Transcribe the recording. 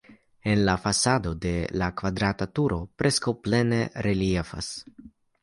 En la fasado la kvadrata turo preskaŭ plene reliefas.